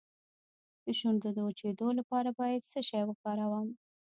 د شونډو د وچیدو لپاره باید څه شی وکاروم؟